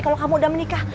kalau kamu udah menikah